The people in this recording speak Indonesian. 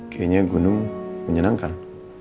kayanya gunung menyenangkan